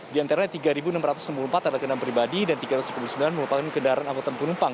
di antaranya tiga enam ratus enam puluh empat adalah kendaraan pribadi dan tiga ratus sepuluh sembilan merupakan kendaraan angkutan penumpang